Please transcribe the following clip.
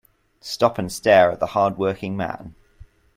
Stop and stare at the hard working man.